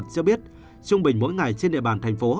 cho biết trung bình mỗi ngày trên địa bàn thành phố